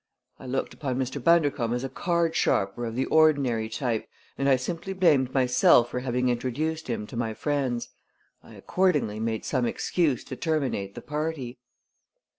I looked upon Mr. Bundercombe as a card sharper of the ordinary type, and I simply blamed myself for having introduced him to my friends. I accordingly made some excuse to terminate the party."